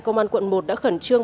công an quận một đã khẩn trương